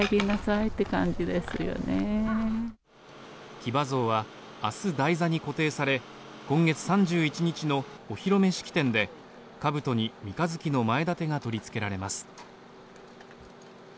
騎馬像は明日、台座に固定され今月３１日のお披露目式典でかぶとに三日月の前立が取りつけられます。